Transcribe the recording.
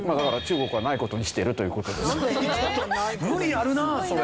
無理あるなそれ。